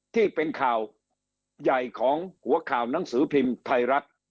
ที่เป็นข่าวใหญ่ของหัวข่าวหนังสือพิมพ์ไทยรัฐ